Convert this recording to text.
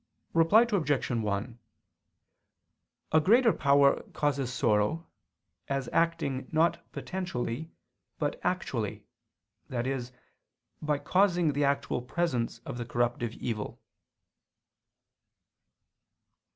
Reply Obj. 1: A greater power causes sorrow, as acting not potentially but actually, i.e. by causing the actual presence of the corruptive evil.